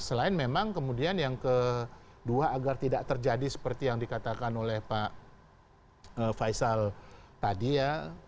selain memang kemudian yang kedua agar tidak terjadi seperti yang dikatakan oleh pak faisal tadi ya